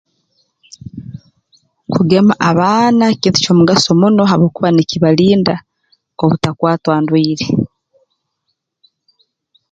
Kugema abaana kintu ky'omugaso muno habwokuba nikibalinda obutakwatwa ndwaire